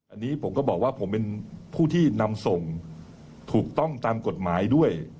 อันนี้ผมก็บอกว่าผมเป็นผู้ที่นำส่งถูกต้องตามกฎหมายด้วย